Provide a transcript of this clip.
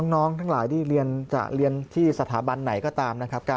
ทั้งหลายที่จะเรียนที่สถาบันไหนก็ตามนะครับ